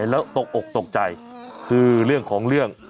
แล้วตกอกตกใจคือเรื่องของเรื่อง